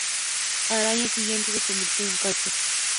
Al año siguiente se convirtió en catcher.